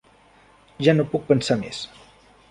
Ja no puc pensar més.